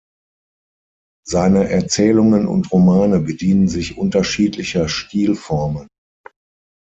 Seine Erzählungen und Romane bedienen sich unterschiedlicher Stilformen.